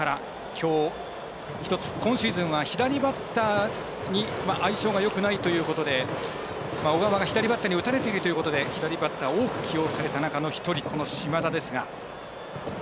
きょう、今シーズン左バッターには相性がよくないということで小川が左バッターに打たれているということで左バッターを多く起用された中の１人、島田。